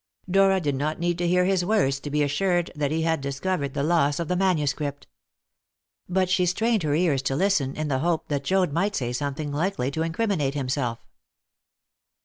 Dora did not need to hear his words to be assured that he had discovered the loss of the manuscript. But she strained her ears to listen, in the hope that Joad might say something likely to incriminate himself.